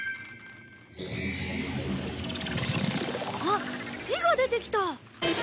あっ字が出てきた！